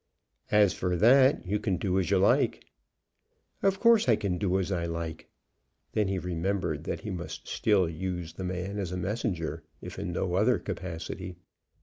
"As for that, you can do as you like." "Of course I can do as I like." Then he remembered that he must still use the man as a messenger, if in no other capacity.